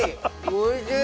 おいしい！